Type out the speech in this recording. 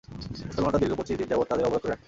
মুসলমানরা দীর্ঘ পঁচিশ দিন যাবৎ তাদের অবরোধ করে রাখে।